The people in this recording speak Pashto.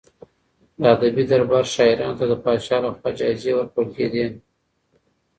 د ادبي دربار شاعرانو ته د پاچا لخوا جايزې ورکول کېدې.